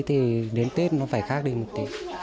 thì đến tết nó phải khác đi một tí